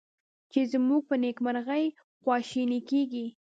چې زمونږ په نیکمرغي خواشیني کیږي